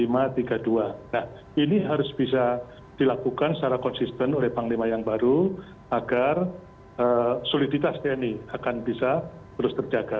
nah ini harus bisa dilakukan secara konsisten oleh panglima yang baru agar soliditas tni akan bisa terus terjaga